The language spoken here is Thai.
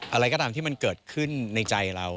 อะไรก็ตามที่มันเกิดขึ้นในใจเรา